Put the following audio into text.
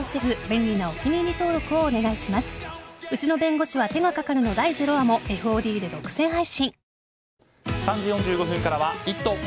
［『うちの弁護士は手がかかる』の第０話もＦＯＤで独占配信］